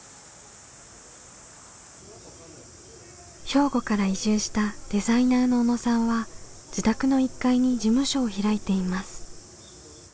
兵庫から移住したデザイナーの小野さんは自宅の１階に事務所を開いています。